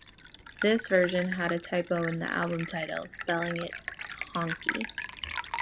This version had a typo in the album title, spelling it Honkey.